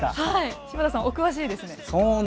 柴田さん、お詳しいですね。